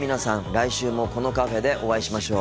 来週もこのカフェでお会いしましょう。